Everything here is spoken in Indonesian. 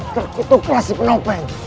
kita klasik penopeng